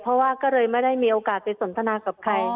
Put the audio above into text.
เพราะว่าก็เลยไม่ได้มีโอกาสไปสนทนากับใคร